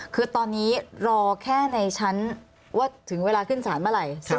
คือตอนนี้รอแค่ในชั้นว่าถึงเวลาขึ้นสารเมื่อไหร่